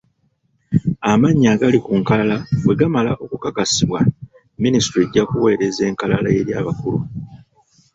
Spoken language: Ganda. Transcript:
Amannya agali ku nkalala bwe gamala okukakasibwa, minisitule ejja kuweereza enkalala eri abakulu.